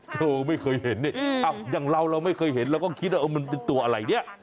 เธอไม่เคยเห็นนี่อย่างเราเราไม่เคยเห็นเราก็คิดว่ามันเป็นตัวอะไรเนี่ย